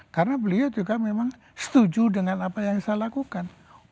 karena beliau juga memang setuju dengan apa yang saya lakukan